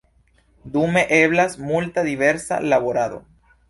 Dume eblas multa diversa laborado.